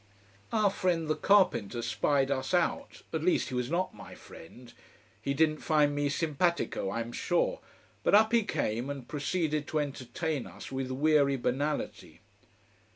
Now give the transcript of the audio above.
Our friend the carpenter spied us out: at least, he was not my friend. He didn't find me simpatico, I am sure. But up he came, and proceeded to entertain us with weary banality.